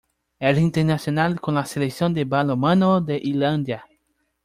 Es internacional con la selección de balonmano de Islandia.